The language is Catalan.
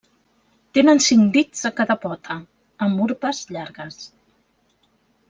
Tenen cinc dits, a cada pota, amb urpes llargues.